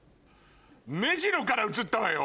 目白から映ったわよ！